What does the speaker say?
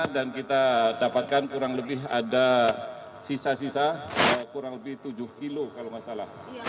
kita dapatkan kurang lebih ada sisa sisa kurang lebih tujuh kilo kalau nggak salah